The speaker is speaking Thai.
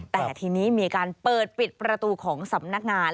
แต่ทีนี้มีการเปิดปิดประตูของสำนักงาน